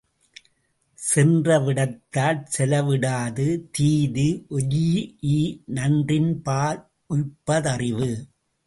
சென்ற விடத்தாற் செலவிடாது தீதுஒரீஇ நன்றின்பா லுய்ப்ப தறிவு.